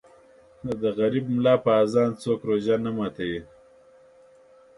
د غریب مولا په اذان څوک روژه نه ماتوي